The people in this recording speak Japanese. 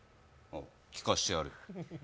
聴かせてやるよ。